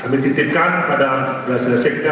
kami titipkan pada berhasilnya